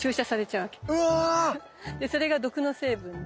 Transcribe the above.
でそれが毒の成分で。